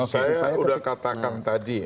saya sudah katakan tadi